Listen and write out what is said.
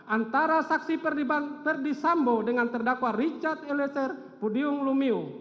antara saksi perdisambo dengan terdakwa richard eliezer pudyung lumiu